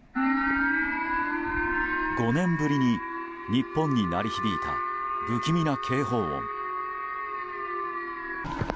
５年ぶりに日本に鳴り響いた不気味な警報音。